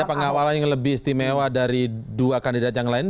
ada pengawalan yang lebih istimewa dari dua kandidat yang lain